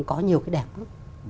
có nhiều cái đẹp lắm